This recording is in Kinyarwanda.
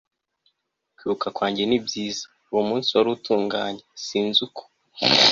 kwibuka kwanjye nibyiza. uwo munsi wari utunganye. sinzi uko